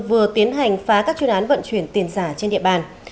vừa tiến hành phá các chuyên án vận chuyển tiền giả trên địa bàn